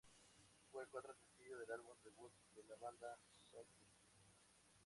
Fue el cuarto sencillo del álbum debut de la banda "Showbiz".